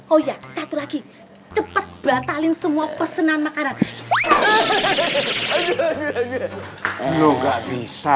oh ya satu lagi cepet batalin semua pesanan makanan